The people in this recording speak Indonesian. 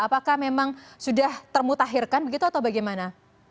apakah memang sudah termutahirkan begitu atau bagaimana